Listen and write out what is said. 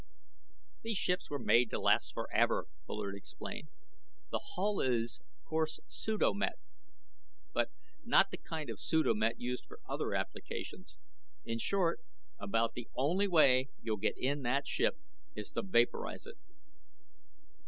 "These ships were made to last forever," Bullard explained. "The hull is, of course, pseudo met, but, not the kind of pseudo met used for other applications. In short, about the only way you'll get in that ship is to vaporize it."